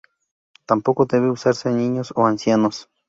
Tampoco debe usarse en niños o ancianos.